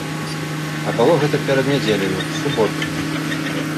А было гэта перад нядзеляю, у суботу.